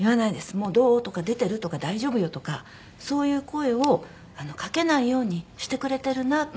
もう「どう？」とか「出てる？」とか「大丈夫よ」とかそういう声をかけないようにしてくれてるなって。